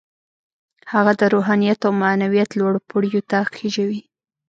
هغه د روحانيت او معنويت لوړو پوړيو ته خېژوي.